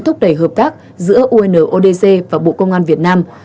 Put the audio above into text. thúc đẩy hợp tác giữa unodc và bộ công an việt nam